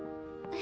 え？